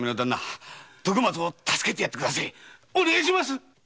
お願いします‼